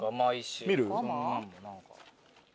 見る？